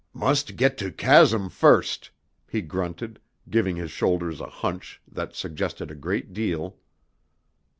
"Must get to chasm first," he grunted, giving his shoulders a hunch that suggested a great deal.